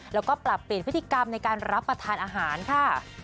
แล้วก็ปรับเปลี่ยนพฤติกรรมในการรับประทานอาหารค่ะ